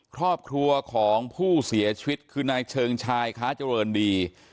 ครอบครัวของผู้เสียชีวิตคือนายเชิงชายค้าเจริญดี